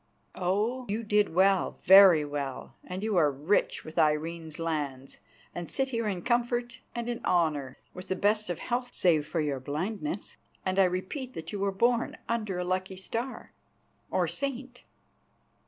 Oh! you did well, very well; and you are rich with Irene's lands, and sit here in comfort and in honour, with the best of health save for your blindness, and I repeat that you were born under a lucky star or saint."